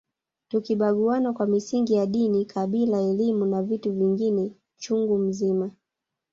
Tukibaguana kwa misingi ya dini kabila elimu na vitu vingine chungu mzima